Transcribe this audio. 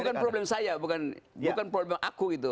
itu bukan problem saya bukan problem aku itu